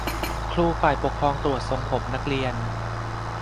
ครูฝ่ายปกครองตรวจทรงผมนักเรียน